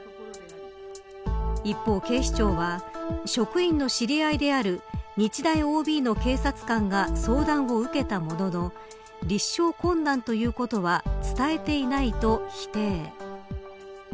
一方、警視庁は職員の知り合いである日大ＯＢの警察官が相談を受けたものの立証困難ということは伝えていないと否定。